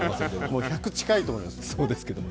もう１００近いと思います。